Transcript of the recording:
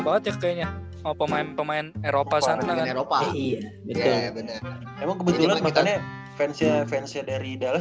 banget ya kayaknya mau pemain pemain eropa sangat eropa kebetulan makanya fansnya fansnya dari dallas